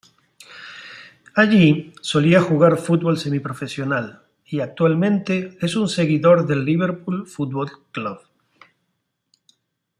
Allí, solía jugar fútbol semi-profesional, y actualmente es un seguidor del Liverpool Football Club.